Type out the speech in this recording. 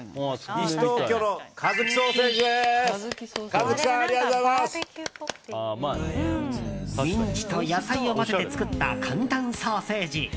ミンチと野菜を混ぜて作った簡単ソーセージ。